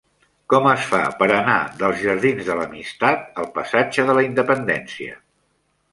Com es fa per anar dels jardins de l'Amistat al passatge de la Independència?